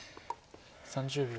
３０秒。